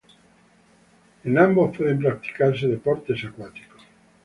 En ambos pueden practicarse deportes acuáticos.